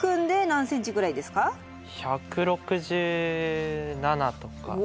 １６７とか。